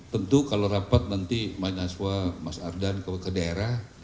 tentu kalau rapat nanti mahasiswa mas ardan ke daerah